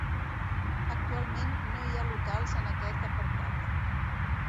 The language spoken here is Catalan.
Actualment no hi ha locals en aquest apartat.